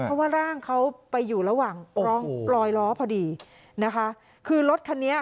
เพราะว่าร่างเขาไปอยู่ระหว่างลอยล้อพอดีนะคะคือรถคันนี้